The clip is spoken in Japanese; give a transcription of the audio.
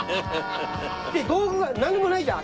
で道具が何もないじゃん。